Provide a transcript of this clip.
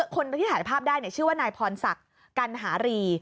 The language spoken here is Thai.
คนที่ถ่ายภาพได้ชื่อว่านายพรศักดิ์กัณหารี